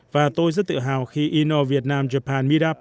và tôi rất tự hào khi inno vietnam japan meetup